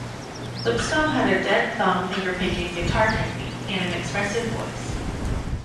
Lipscomb had a "dead-thumb" finger-picking guitar technique and an expressive voice.